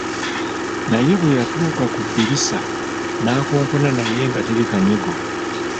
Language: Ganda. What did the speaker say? Naye bwe yatuuka ku ddirisa n'akonkona naye nga teri kanyego.